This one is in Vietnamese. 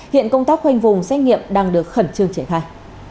hiện công tác khoanh vùng xét nghiệm đang được khẩn trương trẻ thai